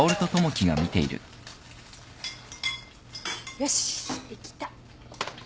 よしできた。